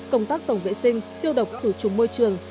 công tác tổng vệ sinh tiêu độc khử trùng môi trường